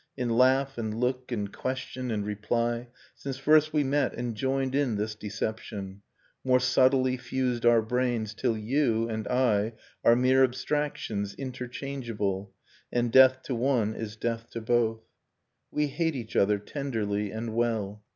In laugh, and look, and question and reply, Since first we met and joined in this deception, More subtly fused our brains, till 'you' and T Are mere abstractions, interchangeable, And death to one is death to both. We hate each other tenderly and well.